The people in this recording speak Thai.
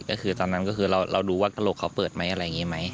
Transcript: ก็คือตอนนั้นก็คือเรารู้ว่ากระโหลกเขาเปิดไหมอะไรอย่างนี้ไหม